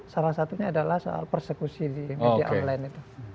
salah satunya adalah soal persekusi di media online itu